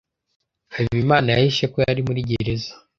habimana yahishe ko yari muri gereza